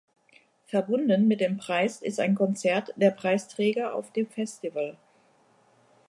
Verbunden mit dem Preis ist ein Konzert der Preisträger auf dem Festival.